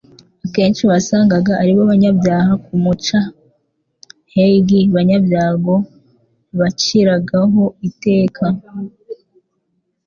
akenshi wasangaga aribo banyabyaha kumcha hg banyabyago baciragaho iteka.